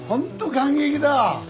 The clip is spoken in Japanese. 感激だあ！